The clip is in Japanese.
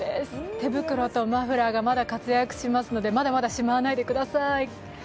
手袋とマフラーがまだ活躍しますので、まだまだしまわないでください。